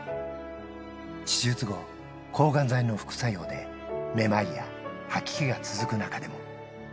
手術後、抗がん剤の副作用でめまいや吐き気が続く中でも。